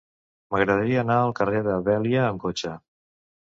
M'agradaria anar al carrer de Vèlia amb cotxe.